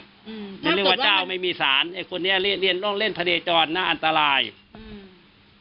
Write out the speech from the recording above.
อย่าเรียกว่าเจ้าไม่มีสารไอ้คนนี้เรียนเรียนต้องเล่นทะเลจรน่าอันตรายอืม